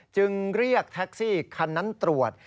จึงเรียกแท็กซี่คันนั้นตรวจ